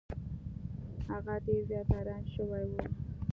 هغه ډیر زیات حیران شوی و.